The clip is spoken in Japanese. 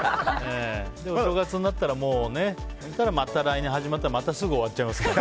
お正月になったらまた来年が始まってまたすぐ終わっちゃいますから。